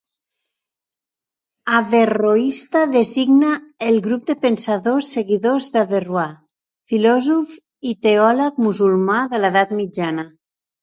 Averroista designa el grup de pensadors seguidors d'Averrois, filòsof i teòleg musulmà de l'edat mitjana.